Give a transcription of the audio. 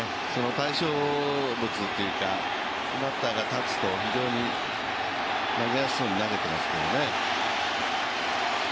対象物というか、バッターが立つと非常に投げやすそうに投げていますからね。